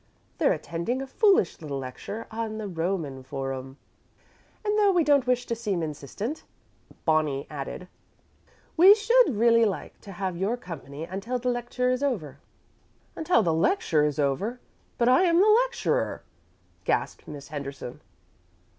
They're attending a foolish little lecture on the Roman Forum." "And though we don't wish to seem insistent," Bonnie added, "we should really like to have your company until the lecture is over." "Until the lecture is over! But I am the lecturer," gasped Miss Henderson.